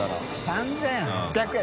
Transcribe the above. ３８００円。